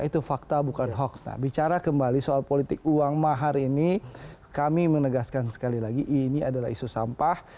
itu fakta bukan hoax nah bicara kembali soal politik uang mahar ini kami menegaskan sekali lagi ini adalah isu sampah